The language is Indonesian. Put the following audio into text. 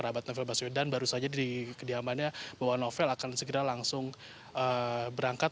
rabat novel baswedan baru saja di kediamannya bahwa novel akan segera langsung berangkat